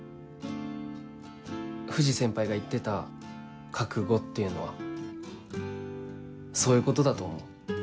藤先輩が言ってた「覚悟」っていうのはそういうことだと思う。